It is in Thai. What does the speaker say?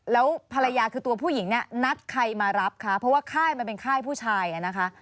แล้วภรรยาคือตัวผู้หญิงเนี่ยนัดใครมารับคะเพราะว่าค่ายมันเป็นค่ายผู้ชายนะคะ